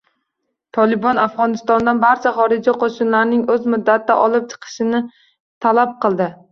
“Tolibon” Afg‘onistondan barcha xorijiy qo‘shinlarning o‘z muddatida olib chiqilishini talab qildi